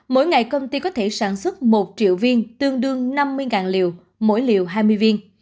mỗi ngày công ty có thể sản xuất một triệu viên tương đương năm mươi liều mỗi liều hai mươi viên